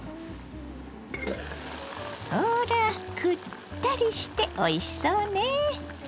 ほらくったりしておいしそうね。